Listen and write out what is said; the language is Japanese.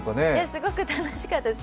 すごく楽しかったです。